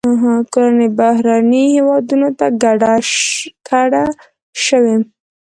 کورنۍ بهرنیو هیوادونو ته کډه شوې.